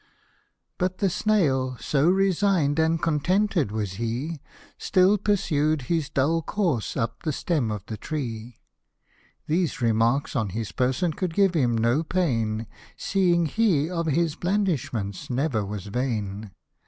But the snail, so resign'd and contented was he, Still pursued his dull course up the stem of the tree ; These remarks on his person could give him no pain, Seeing he of his blandishments never was vain.